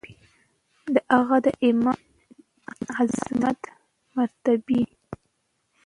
د هغه د ایمان، عظمت، مرتبې